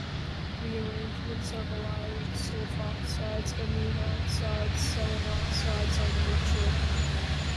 Rearrangements of allylic sulfoxides, amine oxides, selenoxides are neutral.